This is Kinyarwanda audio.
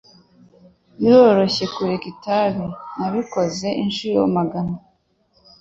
Biroroshye kureka itabi. Nabikoze inshuro magana.